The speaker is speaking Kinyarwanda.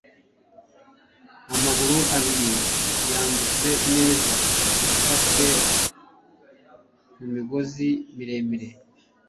amaguru abiri yambutse neza yafashwe mumigozi miremire